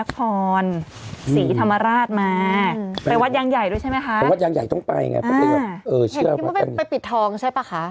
คุณว่าไปปิดทองใช่หรือเปล่าค่ะ